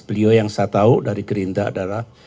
beliau yang saya tahu dari gerindra adalah